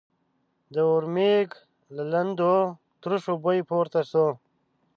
د ورمېږ له لندو تروشو بوی پورته شو.